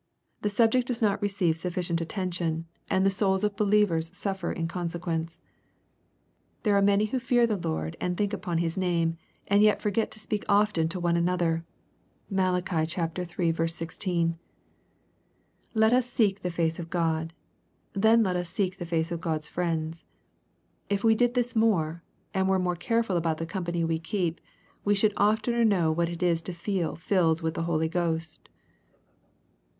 The subject does not receive sufficient attention, and the souls of believers suffer in consequence. There are many who fear the Lord and think upon His name, and yet forget to speak often one to another. (Malachi iii. 16.) First let us seek the face of God. Then let us seek the face of God's friends. If we did this more, and were more careful about the company we keep, we should oftener know what it is to feel filled with the Holy Ghost.